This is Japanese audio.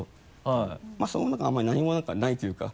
まぁそのあとあんまり何も何かないというか。